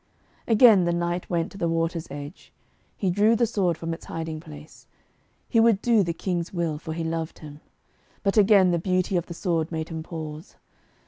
Again the knight went to the water's edge. He drew the sword from its hiding place. He would do the King's will, for he loved him. But again the beauty of the sword made him pause.